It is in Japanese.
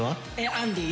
アンディー。